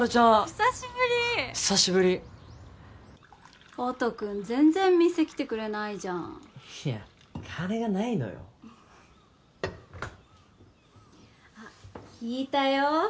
久しぶり久しぶり音くん全然店来てくれないじゃんいや金がないのよあっ聞いたよ